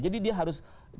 jadi dia harus